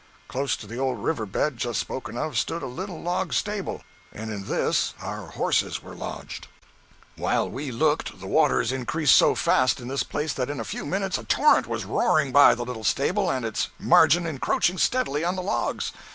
Close to the old river bed just spoken of, stood a little log stable, and in this our horses were lodged. 219.jpg (173K) While we looked, the waters increased so fast in this place that in a few minutes a torrent was roaring by the little stable and its margin encroaching steadily on the logs.